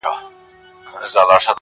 په یوه شېبه پر ملا باندي ماتېږې؛